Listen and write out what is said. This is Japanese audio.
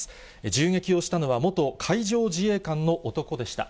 銃撃をしたのは、元海上自衛官の男でした。